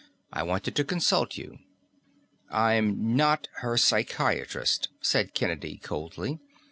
I wanted to consult you." "I'm not her psychiatrist," said Kennedy coldly.